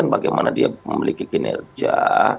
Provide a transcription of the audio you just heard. bagaimana dia memiliki kinerja